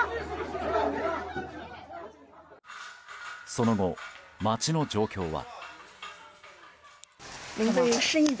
その後、街の状況は。